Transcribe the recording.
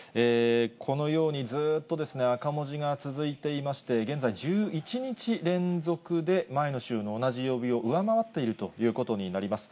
このようにずっと赤文字が続いていまして、現在、１１日連続で前の週の同じ曜日を上回っているということになります。